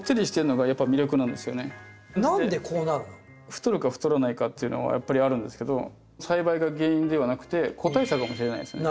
太るか太らないかっていうのはやっぱりあるんですけど栽培が原因ではなくて個体差かもしれないですね。